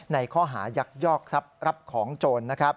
ในข้อหารยักษ์ยอกทรัพย์ของจน